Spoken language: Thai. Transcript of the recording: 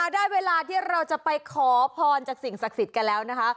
ได้เวลาที่เราจะไปขอพรจากสิ่งศักดิ์สิทธิ์กันแล้วนะคะ